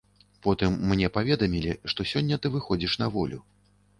Потым мне паведамілі, што сёння ты выходзіш на волю.